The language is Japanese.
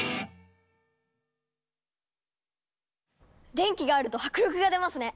電気があると迫力が出ますね。